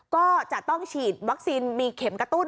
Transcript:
ก็จะต้องฉีดวัคซีนมีเข็มกระตุ้น